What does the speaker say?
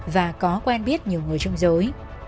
và có quen biết nhiều người trông dối